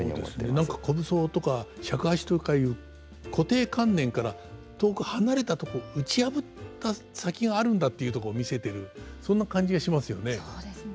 何か虚無僧とか尺八とかいう固定観念から遠く離れたとこ打ち破った先があるんだっていうとこ見せてるそんな感じがしますよね。